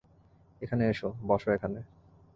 এখানে এসো, বসো এখানে।